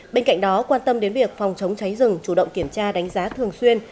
bên cạnh đó quan tâm đến việc phòng chống cháy rừng chủ động kiểm tra đánh giá thường xuyên